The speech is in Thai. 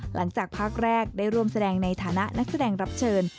หลังจากภาคแรกได้ร่วมแสดงในฐานะนักแสดงรับเชิญ